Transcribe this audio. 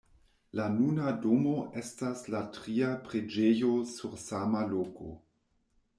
La nuna domo estas la tria preĝejo sur sama loko.